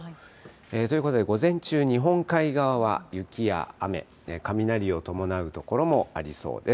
ということで、午前中、日本海側は雪や雨、雷を伴う所もありそうです。